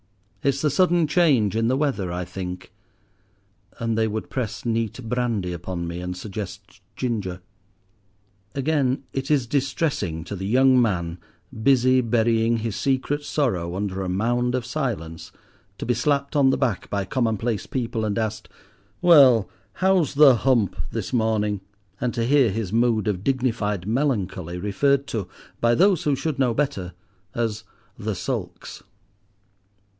It's the sudden change in the weather, I think;" and they would press neat brandy upon me, and suggest ginger. Again, it is distressing to the young man, busy burying his secret sorrow under a mound of silence, to be slapped on the back by commonplace people and asked—"Well, how's 'the hump' this morning?" and to hear his mood of dignified melancholy referred to, by those who should know better, as "the sulks."